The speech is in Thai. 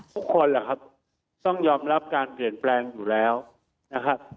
ทุกคนแหละครับต้องยอมรับการเปลี่ยนแปลงอยู่แล้วนะครับ